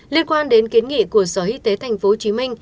liên quan đến kiến nghị của sở y tế tp hcm